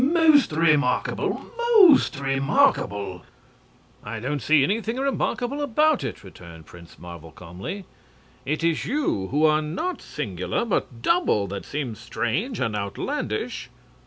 "Most remarkable! Most remarkable!" "I don't see anything remarkable about it," returned Prince Marvel, calmly. "It is you, who are not singular, but double, that seem strange and outlandish."